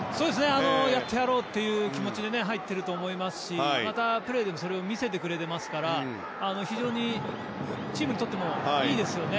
やってやろうという気持ちで入っていると思いますしまたプレーでも見せてくれてますから非常にチームにとってもいいですよね。